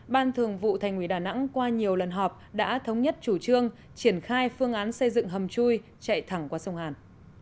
ban thường vụ thành ủy đà nẵng qua nhiều lần họp đã thống nhất chủ trương triển khai phương án xây dựng hầm chui chạy thẳng qua sông hàn